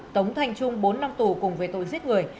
tống thanh trung bốn năm tù cùng về tội giết người